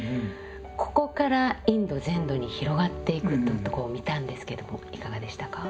ここからインド全土に広がっていくというとこを見たんですけどもいかがでしたか？